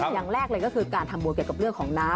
อย่างแรกเลยก็คือการทำบุญเกี่ยวกับเรื่องของน้ำ